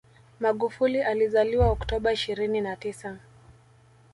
Magufuli alizaliwa Oktoba ishirini na tisa